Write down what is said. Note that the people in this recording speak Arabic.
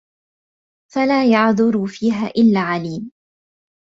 فَلَا يَعْذُرُ فِيهَا إلَّا عَلِيمٌ